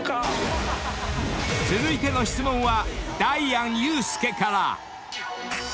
［続いての質問は］